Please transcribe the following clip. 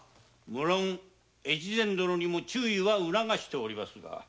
無論越前殿にも注意は促しておりますが。